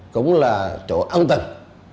cũng là chỗ ân tình